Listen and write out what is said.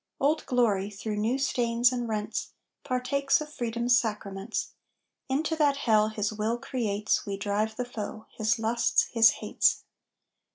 "Old Glory," through new stains and rents, Partakes of Freedom's sacraments. Into that hell his will creates We drive the foe his lusts, his hates.